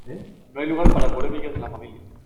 No hay lugar para polémicas en la familia.